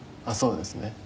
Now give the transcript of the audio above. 「あっそうですね」